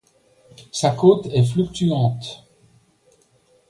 Sa cote est fluctuante.